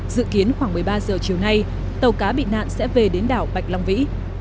dự kiến khoảng một mươi ba giờ chiều nay tàu cá bị nạn sẽ về đến đảo bạch long vĩ